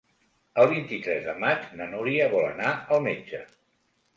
El vint-i-tres de maig na Núria vol anar al metge.